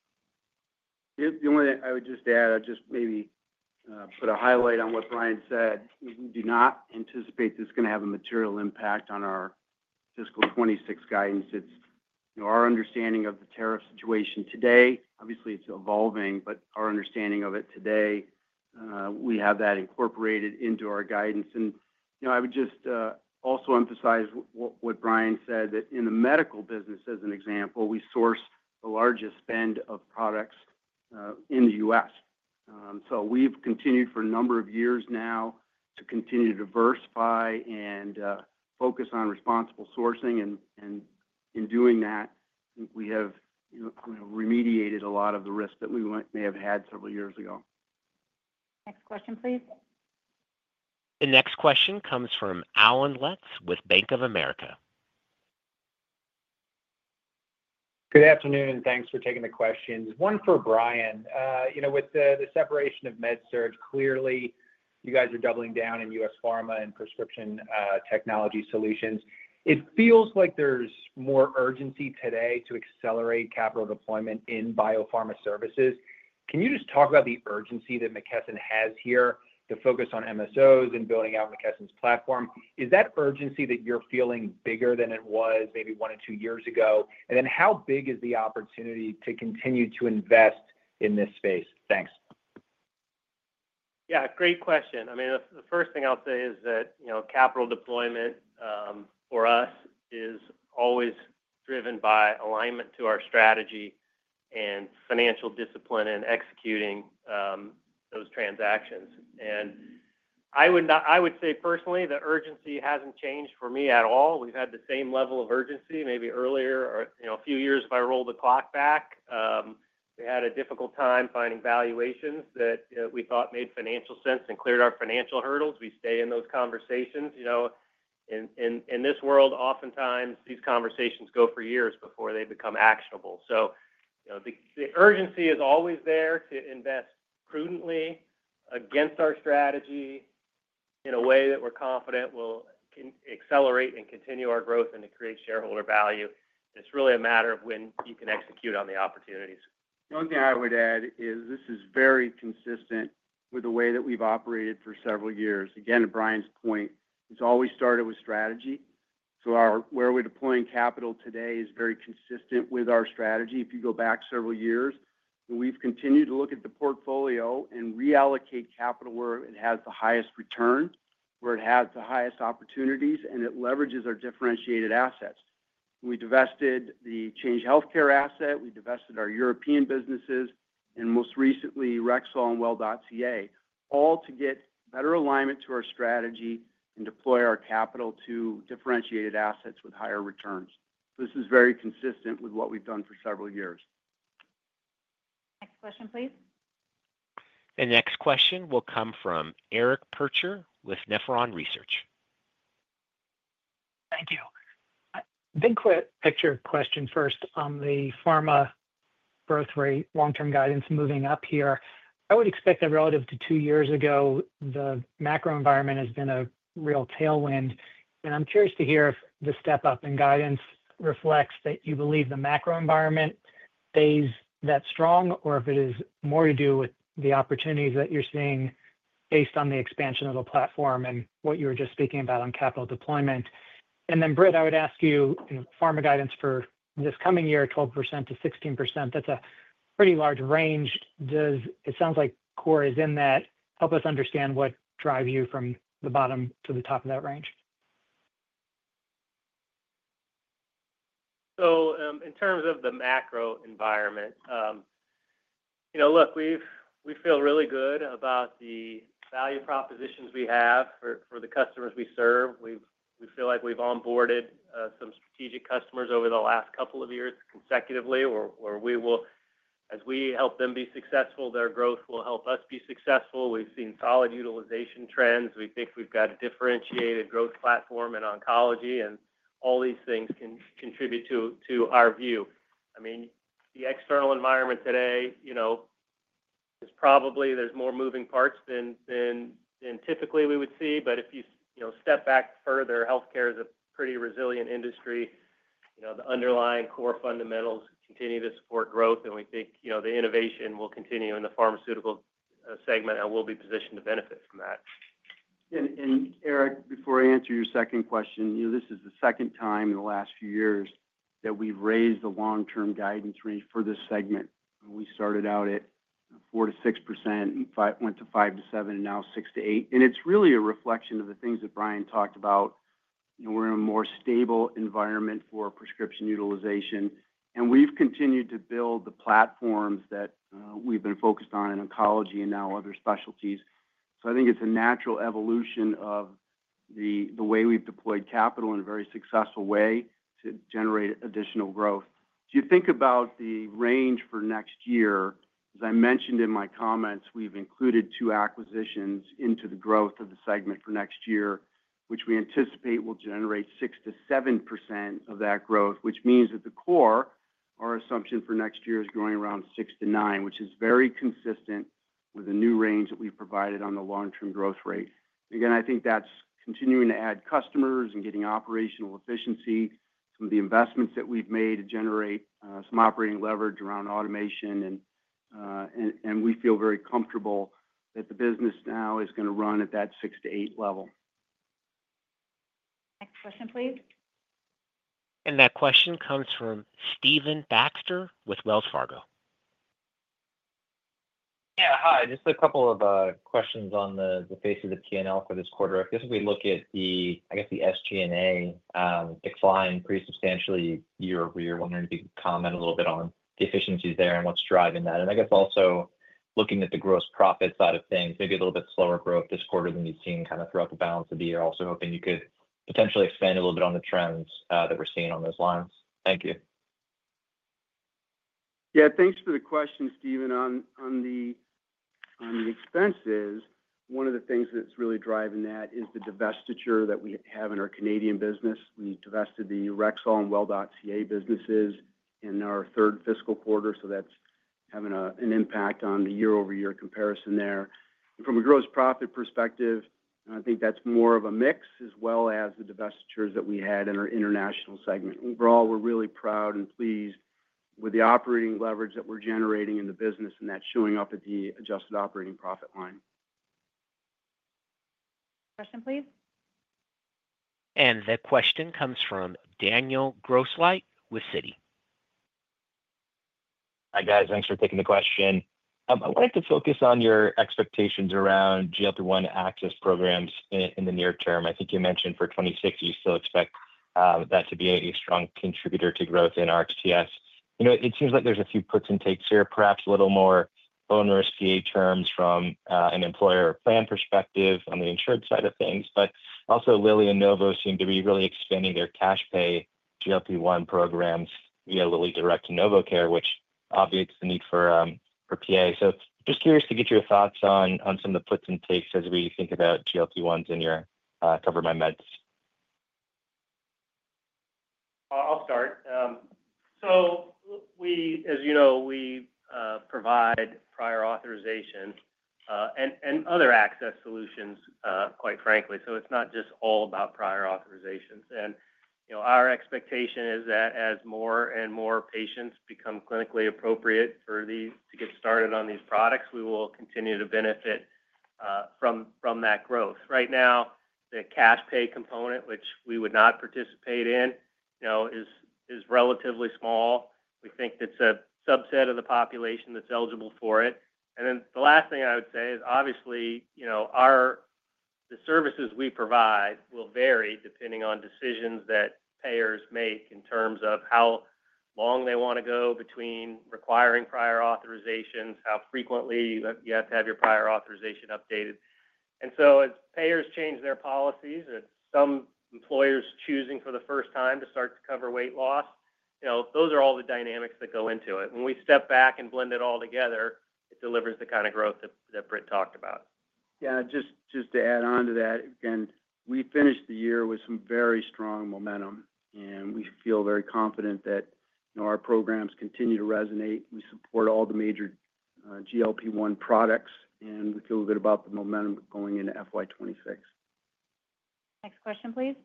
The only thing I would just add, I'll just maybe put a highlight on what Brian said. We do not anticipate this is going to have a material impact on our fiscal 2026 guidance. It's our understanding of the tariff situation today. Obviously, it's evolving, but our understanding of it today, we have that incorporated into our guidance. I would just also emphasize what Brian said, that in the medical business, as an example, we source the largest spend of products in the U.S. So we've continued for a number of years now to continue to diversify and focus on responsible sourcing. In doing that, I think we have remediated a lot of the risk that we may have had several years ago. Next question, please. The next question comes from Allen Lutz with Bank of America. Good afternoon, and thanks for taking the questions. One for Brian. With the separation of Med-Surg, clearly, you guys are doubling down in U.S. Pharma and Prescription Technology Solutions. It feels like there's more urgency today to accelerate capital deployment in biopharma services. Can you just talk about the urgency that McKesson has here to focus on MSOs and building out McKesson's platform? Is that urgency that you're feeling bigger than it was maybe one or two years ago? And then how big is the opportunity to continue to invest in this space? Thanks. Yeah, great question. I mean, the first thing I'll say is that capital deployment for us is always driven by alignment to our strategy and financial discipline in executing those transactions. And I would say personally, the urgency hasn't changed for me at all. We've had the same level of urgency maybe earlier a few years if I roll the clock back. We had a difficult time finding valuations that we thought made financial sense and cleared our financial hurdles. We stay in those conversations. In this world, oftentimes, these conversations go for years before they become actionable. So the urgency is always there to invest prudently against our strategy in a way that we're confident will accelerate and continue our growth and to create shareholder value. It's really a matter of when you can execute on the opportunities. The only thing I would add is this is very consistent with the way that we've operated for several years. Again, to Brian's point, it's always started with strategy. So where we're deploying capital today is very consistent with our strategy. If you go back several years, we've continued to look at the portfolio and reallocate capital where it has the highest return, where it has the highest opportunities, and it leverages our differentiated assets. We divested the Change Healthcare asset. We divested our European businesses, and most recently, Rexall and Well.ca, all to get better alignment to our strategy and deploy our capital to differentiated assets with higher returns. This is very consistent with what we've done for several years. Next question, please. The next question will come from Eric Percher with Nephron Research. Thank you. Big picture question first. On the pharma growth rate, long-term guidance moving up here, I would expect that relative to two years ago, the macro environment has been a real tailwind. And I'm curious to hear if the step-up in guidance reflects that you believe the macro environment stays that strong or if it is more to do with the opportunities that you're seeing based on the expansion of the platform and what you were just speaking about on capital deployment. And then, Britt, I would ask you, pharma guidance for this coming year, 12%-16%. That's a pretty large range. It sounds like core is in that. Help us understand what drives you from the bottom to the top of that range. So in terms of the macro environment, look, we feel really good about the value propositions we have for the customers we serve. We feel like we've onboarded some strategic customers over the last couple of years consecutively, whereas we help them be successful, their growth will help us be successful. We've seen solid utilization trends. We think we've got a differentiated growth platform in oncology, and all these things contribute to our view. I mean, the external environment today is probably there are more moving parts than typically we would see. But if you step back further, healthcare is a pretty resilient industry. The underlying core fundamentals continue to support growth, and we think the innovation will continue in the pharmaceutical segment, and we'll be positioned to benefit from that. And Eric, before I answer your second question, this is the second time in the last few years that we've raised the long-term guidance range for this segment. We started out at 4%-6%, went to 5%-7%, and now 6%-8%. And it's really a reflection of the things that Brian talked about. We're in a more stable environment for prescription utilization. And we've continued to build the platforms that we've been focused on in oncology and now other specialties. So I think it's a natural evolution of the way we've deployed capital in a very successful way to generate additional growth. If you think about the range for next year, as I mentioned in my comments, we've included two acquisitions into the growth of the segment for next year, which we anticipate will generate 6%-7% of that growth, which means that the core, our assumption for next year is growing around 6%-9%, which is very consistent with a new range that we've provided on the long-term growth rate. Again, I think that's continuing to add customers and getting operational efficiency, some of the investments that we've made to generate some operating leverage around automation. We feel very comfortable that the business now is going to run at that 6%-8% level. Next question, please. That question comes from Stephen Baxter with Wells Fargo. Yeah, hi. Just a couple of questions on the face of the P&L for this quarter. I guess if we look at the, I guess, the SG&A decline pretty substantially year over year, wondering if you could comment a little bit on the efficiencies there and what's driving that. I guess also looking at the gross profit side of things, maybe a little bit slower growth this quarter than you've seen kind of throughout the balance of the year. Hoping you could potentially expand a little bit on the trends that we're seeing on those lines. Thank you. Yeah, thanks for the question, Steven. On the expenses, one of the things that's really driving that is the divestiture that we have in our Canadian business. We divested the Rexall and Well.ca businesses in our third fiscal quarter, so that's having an impact on the year-over-year comparison there. From a gross profit perspective, I think that's more of a mix as well as the divestitures that we had in our International segment. Overall, we're really proud and pleased with the operating leverage that we're generating in the business and that's showing up at the adjusted operating profit line. Question, please. And the question comes from Daniel Grosslight with Citi. Hi, guys. Thanks for taking the question. I'd like to focus on your expectations around GLP-1 access programs in the near term. I think you mentioned for 2026, you still expect that to be a strong contributor to growth in RxTS. It seems like there's a few puts and takes here, perhaps a little more bonus PA terms from an employer plan perspective on the insured side of things. But also, Lilly and Novo seem to be really expanding their cash pay GLP-1 programs via LillyDirect and NovoCare, which obviates the need for PA. So just curious to get your thoughts on some of the puts and takes as we think about GLP-1s in your CoverMyMeds. I'll start. So as you know, we provide prior authorization and other access solutions, quite frankly. So it's not just all about prior authorizations. And our expectation is that as more and more patients become clinically appropriate to get started on these products, we will continue to benefit from that growth. Right now, the cash pay component, which we would not participate in, is relatively small. We think it's a subset of the population that's eligible for it. And then the last thing I would say is, obviously, the services we provide will vary depending on decisions that payers make in terms of how long they want to go between requiring prior authorizations, how frequently you have to have your prior authorization updated. And so as payers change their policies, some employers choosing for the first time to start to cover weight loss, those are all the dynamics that go into it. When we step back and blend it all together, it delivers the kind of growth that Britt talked about. Yeah, just to add on to that, again, we finished the year with some very strong momentum, and we feel very confident that our programs continue to resonate. We support all the major GLP-1 products, and we feel good about the momentum going into FY26. Next question, please.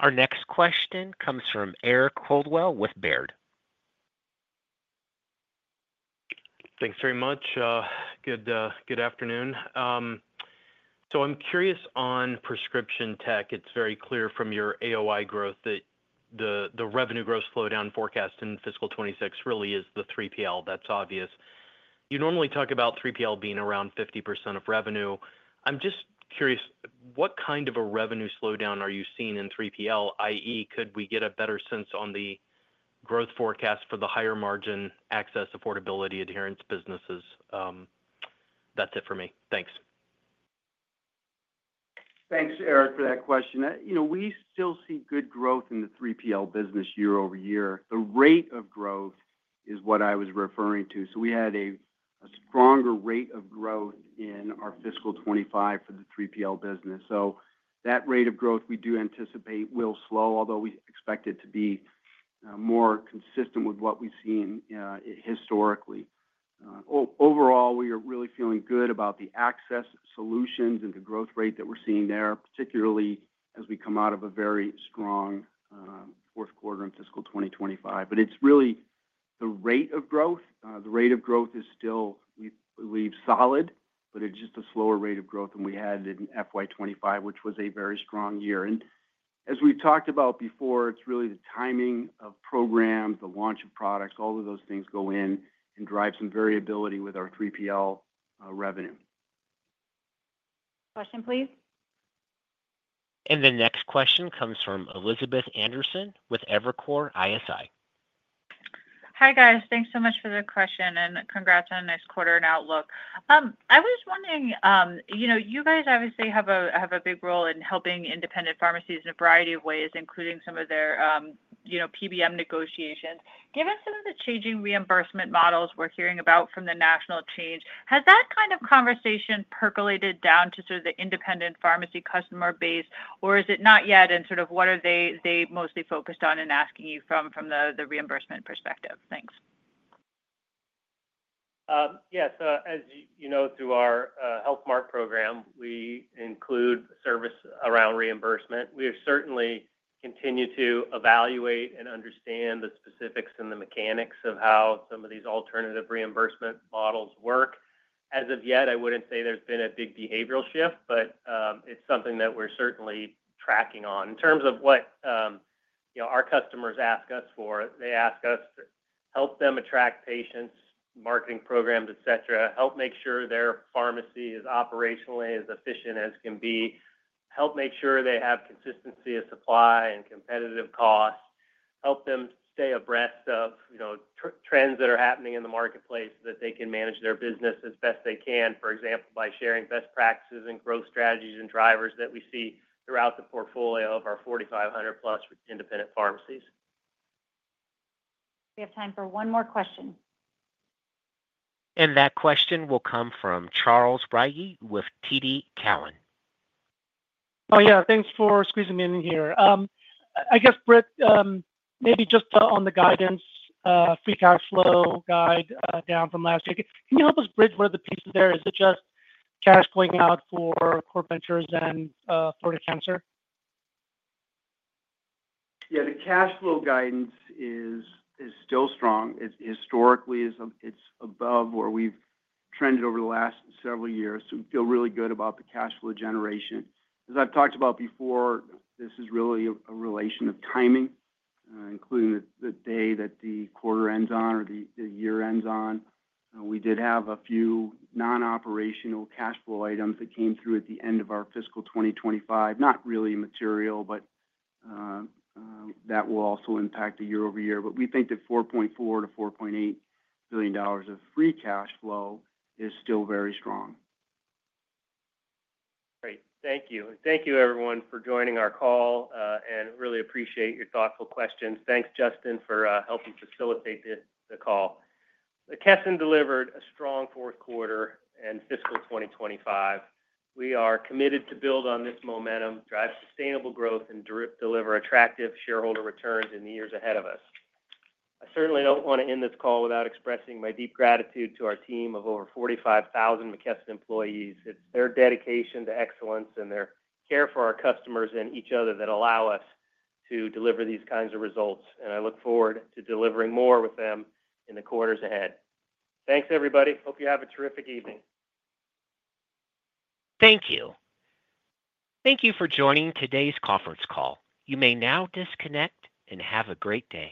Our next question comes from Eric Coldwell with Baird. Thanks very much. Good afternoon. So I'm curious on prescription tech. It's very clear from your AOI growth that the revenue growth slowdown forecast in fiscal 2026 really is the 3PL. That's obvious. You normally talk about 3PL being around 50% of revenue. I'm just curious, what kind of a revenue slowdown are you seeing in 3PL? I.e., could we get a better sense on the growth forecast for the higher margin access affordability adherence businesses? That's it for me. Thanks. Thanks, Eric, for that question. We still see good growth in the 3PL business year over year. The rate of growth is what I was referring to. So we had a stronger rate of growth in our fiscal 2025 for the 3PL business. So that rate of growth we do anticipate will slow, although we expect it to be more consistent with what we've seen historically. Overall, we are really feeling good about the access solutions and the growth rate that we're seeing there, particularly as we come out of a very strong fourth quarter in fiscal 2025. But it's really the rate of growth. The rate of growth is still, we believe, solid, but it's just a slower rate of growth than we had in FY25, which was a very strong year. And as we've talked about before, it's really the timing of programs, the launch of products, all of those things go in and drive some variability with our 3PL revenue. Question, please. And the next question comes from Elizabeth Anderson with Evercore ISI. Hi, guys. Thanks so much for the question, and congrats on a nice quarter and outlook. I was wondering, you guys obviously have a big role in helping independent pharmacies in a variety of ways, including some of their PBM negotiations. Given some of the changing reimbursement models we're hearing about from the national chains, has that kind of conversation percolated down to sort of the independent pharmacy customer base, or is it not yet? And sort of what are they mostly focused on and asking you from the reimbursement perspective? Thanks. Yeah. So as you know, through our Health Mart program, we include service around reimbursement. We certainly continue to evaluate and understand the specifics and the mechanics of how some of these alternative reimbursement models work. As of yet, I wouldn't say there's been a big behavioral shift, but it's something that we're certainly tracking on. In terms of what our customers ask us for, they ask us to help them attract patients, marketing programs, etc., help make sure their pharmacy is operationally as efficient as can be, help make sure they have consistency of supply and competitive costs, help them stay abreast of trends that are happening in the marketplace so that they can manage their business as best they can, for example, by sharing best practices and growth strategies and drivers that we see throughout the portfolio of our 4,500-plus independent pharmacies. We have time for one more question, and that question will come from Charles Rhyee with TD Cowen. Oh, yeah. Thanks for squeezing me in here. I guess, Britt, maybe just on the guidance, free cash flow guide down from last year. Can you help us bridge one of the pieces there? Is it just cash going out for Core Ventures and Florida Cancer Specialists? Yeah, the cash flow guidance is still strong. Historically, it's above where we've trended over the last several years. So we feel really good about the cash flow generation. As I've talked about before, this is really a relation of timing, including the day that the quarter ends on or the year ends on. We did have a few non-operational cash flow items that came through at the end of our fiscal 2025, not really material, but that will also impact the year-over-year. But we think that $4.4 billion-$4.8 billion of free cash flow is still very strong. Great. Thank you. Thank you, everyone, for joining our call, and really appreciate your thoughtful questions. Thanks, Justin, for helping facilitate the call. McKesson delivered a strong fourth quarter in fiscal 2025. We are committed to build on this momentum, drive sustainable growth, and deliver attractive shareholder returns in the years ahead of us. I certainly don't want to end this call without expressing my deep gratitude to our team of over 45,000 McKesson employees. It's their dedication to excellence and their care for our customers and each other that allow us to deliver these kinds of results. And I look forward to delivering more with them in the quarters ahead. Thanks, everybody. Hope you have a terrific evening. Thank you. Thank you for joining today's conference call. You may now disconnect and have a great day.